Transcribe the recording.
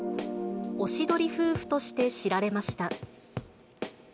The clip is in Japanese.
おしどり夫婦として知られました。